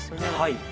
はい。